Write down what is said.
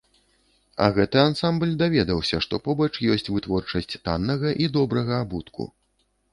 А гэты ансамбль даведаўся, што побач ёсць вытворчасць таннага і добрага абутку.